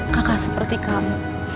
kakak seperti kamu